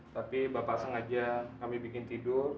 tapi bapak sengaja kami bikin tidur